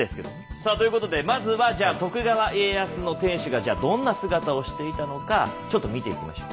さあということでまずはじゃあ徳川家康の天守がどんな姿をしていたのかちょっと見ていきましょう。